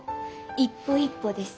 一歩一歩です。